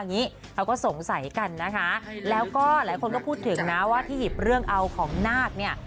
งี้เขาก็สงสัยกันนะคะแล้วก็หลายคนก็พูดถึงนะว่าที่หยิบเรื่องเอาของนาคเนี่ย